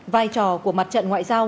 vai trò của mặt trận ngoại giao